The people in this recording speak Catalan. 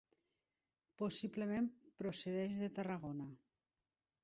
Possiblement procedeix de Tarragona.